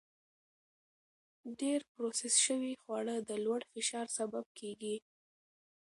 ډېر پروسس شوي خواړه د لوړ فشار سبب کېږي.